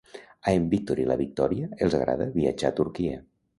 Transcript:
A en Víctor i la Victòria els agrada viatjar a Turquia.